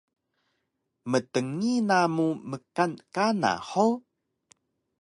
Mtngi namu mkan kana hug?